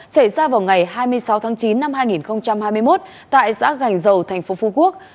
xảy ra vào ngày hai mươi sáu tháng chín năm hai nghìn hai mươi một tại xã gành dầu thành phố phú quốc